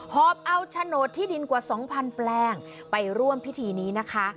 อบเอาโฉนดที่ดินกว่า๒๐๐แปลงไปร่วมพิธีนี้นะคะ